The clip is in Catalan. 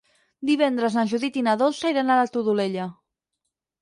Divendres na Judit i na Dolça iran a la Todolella.